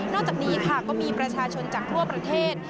จากนี้ค่ะก็มีประชาชนจากทั่วประเทศ